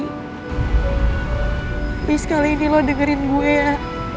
tapi sekali ini lu dengerin gue ya